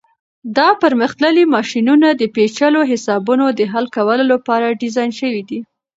دا پرمختللي ماشینونه د پیچلو حسابونو د حل کولو لپاره ډیزاین شوي دي.